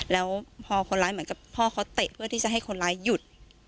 แล้วพอคนร้ายเหมือนกับพ่อเขาเตะเพื่อที่จะให้คนร้ายหยุด